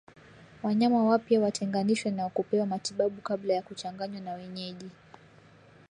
Wanyama wampya watenganishwe na kupewa matibabu kabla ya kuchanganywa na wenyeji